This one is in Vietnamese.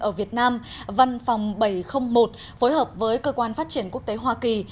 ở việt nam văn phòng bảy trăm linh một phối hợp với cơ quan phát triển quốc tế hoa kỳ